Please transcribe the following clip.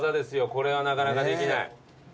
これはなかなかできない。